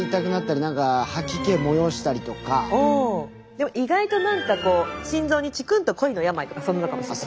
でも意外と何かこう心臓にチクンと恋の病とかそんなのかもしれない。